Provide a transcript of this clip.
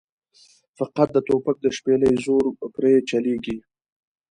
فقط د توپک د شپېلۍ زور پرې چلېږي.